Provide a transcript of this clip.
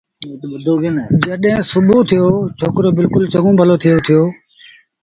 جڏهيݩ سُڀو ٿيو ڇوڪرو بلڪُل چڱوُن ڀلو ٿئي اُٿيو